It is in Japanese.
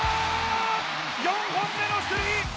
４本目のスリー。